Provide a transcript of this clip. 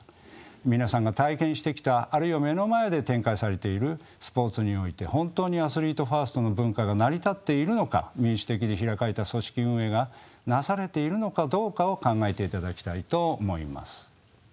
皆さんが体験してきたあるいは目の前で展開されているスポーツにおいて本当にアスリートファーストの文化が成り立っているのか民主的で開かれた組織運営がなされているのかどうかを考えていただきたいと思います。